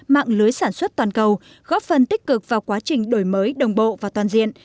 mạng lưới sản xuất toàn cầu góp phần tích cực vào quá trình đổi mới đồng bộ và toàn diện